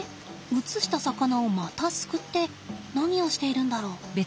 移した魚をまたすくって何をしているんだろう。